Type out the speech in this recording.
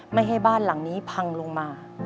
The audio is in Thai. ไม่ให้บ้านหลังนี้พังลงมา